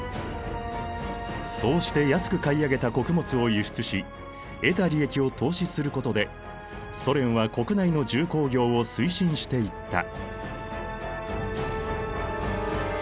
そうして安く買い上げた穀物を輸出し得た利益を投資することでソ連は国内の重工業を推進していった。